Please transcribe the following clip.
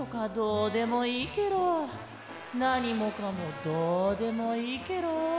なにもかもどうでもいいケロ。